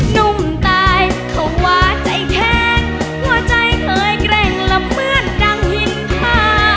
หนุ่มตายเขาว่าใจแข็งหัวใจเคยแกร่งละเหมือนดังหินพา